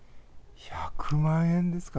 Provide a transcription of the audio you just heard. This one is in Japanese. １００万円ですか？